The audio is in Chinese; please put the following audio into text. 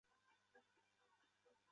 长颈部可使鱼群较慢发现到薄板龙。